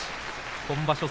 今場所